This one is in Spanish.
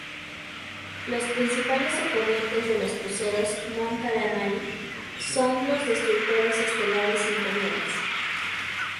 Los principales oponentes de los cruceros mon calamari son los destructores estelares imperiales.